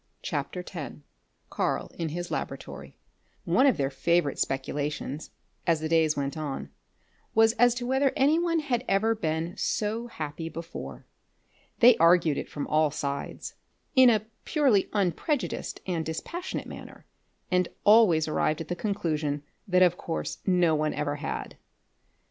CHAPTER X KARL IN HIS LABORATORY One of their favourite speculations, as the days went on, was as to whether any one had ever been so happy before. They argued it from all sides, in a purely unprejudiced and dispassionate manner, and always arrived at the conclusion that of course no one ever had.